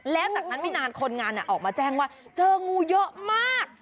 และจากนั้นไม่นานคนงานออกมาแจ้งว่าเจองูเยอะมาก